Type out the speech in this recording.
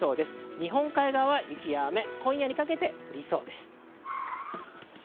日本海側は雪や雨、今夜にかけて降りそうです。